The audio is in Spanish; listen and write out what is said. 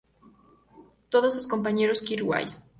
Todas con su compañero Kirk Wise.